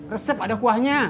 resep ada kuahnya